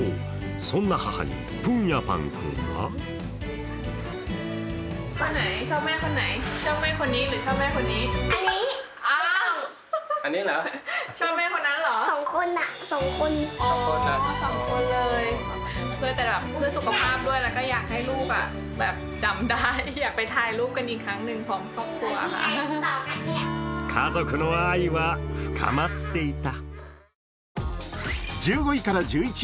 そんな母にプンヤパン君は家族の愛は深まっていた。